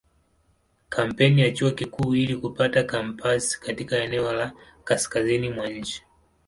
Kampeni ya Chuo Kikuu ili kupata kampasi katika eneo la kaskazini mwa nchi.